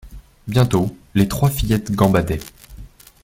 Bientôt, les trois fillettes gambadaient.